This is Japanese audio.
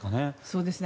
そうですね。